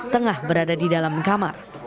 tengah berada di dalam kamar